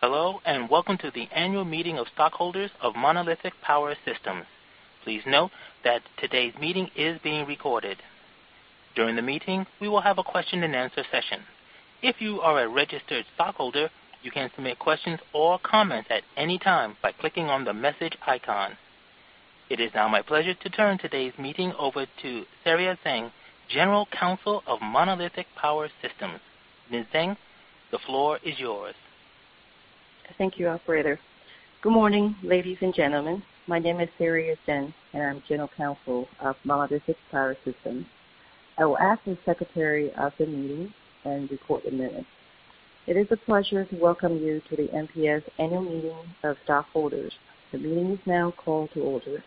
Hello, and welcome to the annual meeting of stockholders of Monolithic Power Systems. Please note that today's meeting is being recorded. During the meeting, we will have a question-and-answer session. If you are a registered stockholder, you can submit questions or comments at any time by clicking on the message icon. It is now my pleasure to turn today's meeting over to Saria Tseng, General Counsel of Monolithic Power Systems. Ms. Tseng, the floor is yours. Thank you, operator. Good morning, ladies and gentlemen. My name is Saria Tseng, and I'm General Counsel of Monolithic Power Systems. I will act as Secretary of the meeting and record the minutes. It is a pleasure to welcome you to the MPS Annual Meeting of Stockholders. The meeting is now called to order.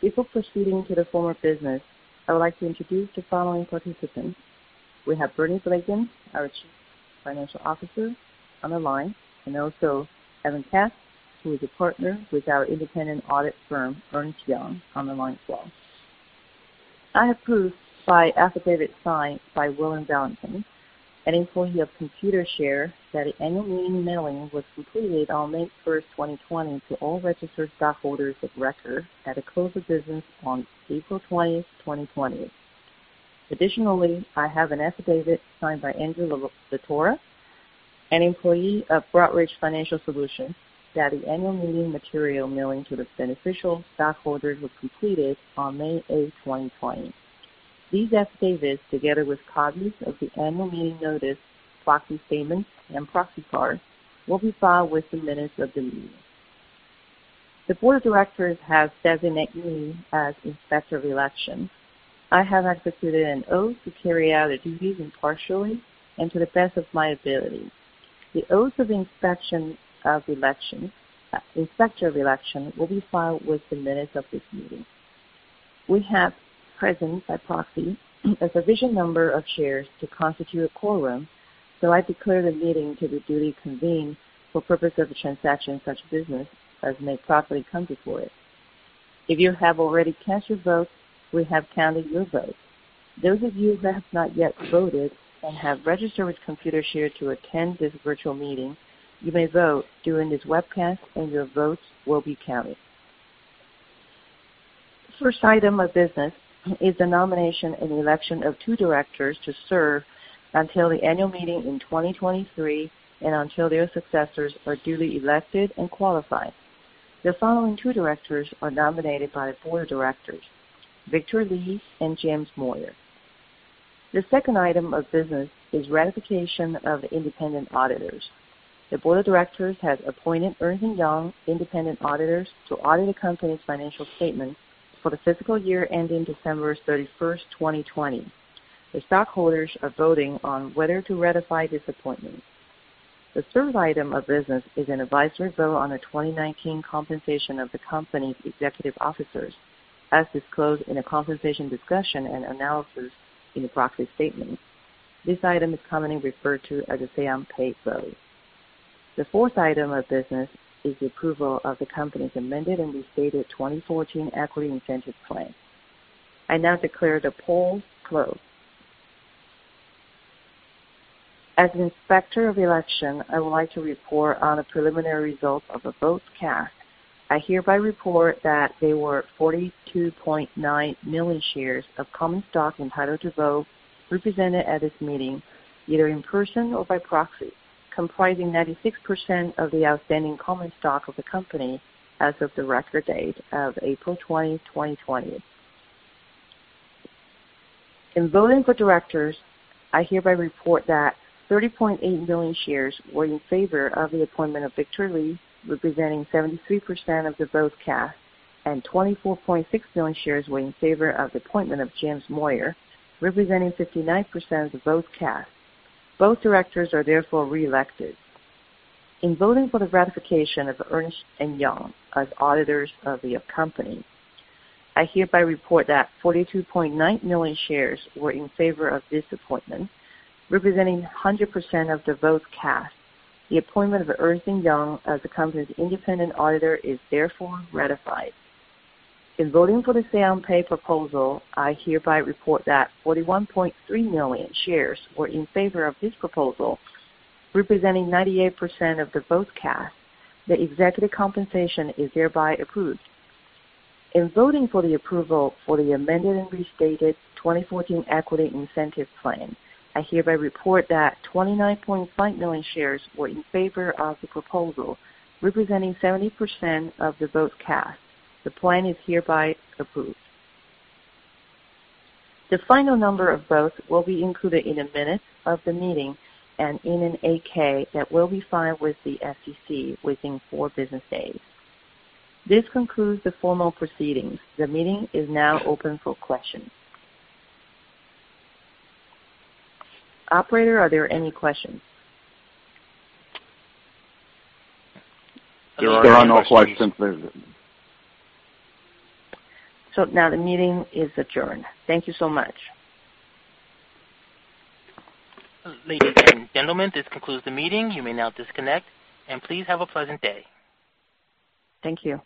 Before proceeding to the formal business, I would like to introduce the following participants. We have Bernie Blegen, our Chief Financial Officer, on the line, and also Evan Kass, who is a partner with our independent audit firm, Ernst & Young, on the line as well. I have proof by affidavit signed by William Valentin, an employee of Computershare, that the annual meeting mailing was completed on May 1st, 2020, to all registered stockholders of record at the close of business on April 20th, 2020. Additionally, I have an affidavit signed by Angela LaTora, an employee of Broadridge Financial Solutions, that the annual meeting material mailing to the beneficial stockholders was completed on May 8th, 2020. These affidavits, together with copies of the annual meeting notice, proxy statements, and proxy cards, will be filed with the minutes of the meeting. The Board of Directors has designated me as Inspector of Election. I have executed an oath to carry out the duties impartially and to the best of my ability. The oath of Inspector of Election will be filed with the minutes of this meeting. We have present by proxy a sufficient number of shares to constitute a quorum, so I declare the meeting to be duly convened for purpose of the transaction of such business as may properly come before it. If you have already cast your vote, we have counted your vote. Those of you that have not yet voted and have registered with Computershare to attend this virtual meeting, you may vote during this webcast, and your votes will be counted. First item of business is the nomination and election of two directors to serve until the annual meeting in 2023 and until their successors are duly elected and qualified. The following two directors are nominated by the board of directors, Victor Lee and James Moyer. The second item of business is ratification of independent auditors. The board of directors has appointed Ernst & Young independent auditors to audit the company's financial statements for the fiscal year ending December 31st, 2020. The stockholders are voting on whether to ratify this appointment. The third item of business is an advisory vote on the 2019 compensation of the company's executive officers, as disclosed in a compensation discussion and analysis in the proxy statement. This item is commonly referred to as a say on pay vote. The fourth item of business is the approval of the company's amended and restated 2014 equity incentive plan. I now declare the polls closed. As Inspector of Election, I would like to report on the preliminary results of the votes cast. I hereby report that there were 42.9 million shares of common stock entitled to vote represented at this meeting, either in person or by proxy, comprising 96% of the outstanding common stock of the company as of the record date of April 20th, 2020. In voting for directors, I hereby report that 30.8 million shares were in favor of the appointment of Victor Lee, representing 73% of the votes cast, and 24.6 million shares were in favor of the appointment of James Moyer, representing 59% of the votes cast. Both directors are therefore reelected. In voting for the ratification of Ernst & Young as auditors of the company, I hereby report that 42.9 million shares were in favor of this appointment, representing 100% of the votes cast. The appointment of Ernst & Young as the company's independent auditor is therefore ratified. In voting for the say on pay proposal, I hereby report that 41.3 million shares were in favor of this proposal, representing 98% of the votes cast. The executive compensation is thereby approved. In voting for the approval for the amended and restated 2014 equity incentive plan, I hereby report that 29.5 million shares were in favor of the proposal, representing 70% of the votes cast. The plan is hereby approved. The final number of votes will be included in the minutes of the meeting and in an 8-K that will be filed with the SEC within four business days. This concludes the formal proceedings. The meeting is now open for questions. Operator, are there any questions? There are no questions. Now the meeting is adjourned. Thank you so much. Ladies and gentlemen, this concludes the meeting. You may now disconnect and please have a pleasant day. Thank you.